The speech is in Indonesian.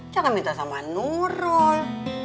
jangan minta sama nurul